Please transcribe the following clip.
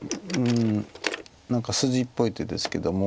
何か筋っぽい手ですけども。